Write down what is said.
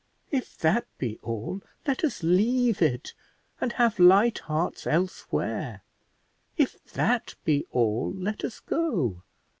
If that be all, let us leave it, and have light hearts elsewhere: if that be all, let us go.